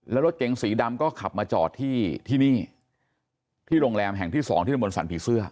แล้วรถเก๋งสีดำก็ขับมาจอดที่ที่นี่ที่โรงแรมแห่งที่สองที่ตะบนสรรผีเสื้อ